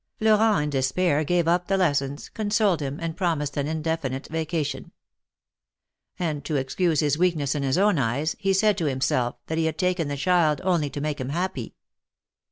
Florent in despair gave up the lessons, consoled him and promised an indefinite vacation ; and to excuse his weak ness in his own eyes, he said to himself that he had taken the child, only to make him happy.